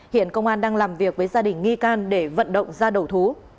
hiện công an đang làm việc với gia đình nghi can để vận động ra đầu thú